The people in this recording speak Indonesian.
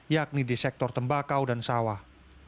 yakni di sektor tembakau dan sawah